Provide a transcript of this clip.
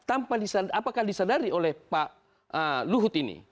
apakah disadari oleh pak luhut ini